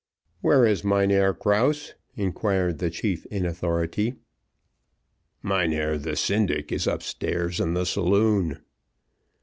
"Where is Mynheer Krause?" inquired the chief in authority. "Mynheer, the syndic, is upstairs in the saloon."